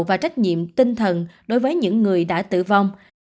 và trách nhiệm tinh thần đối với những người đã tử vong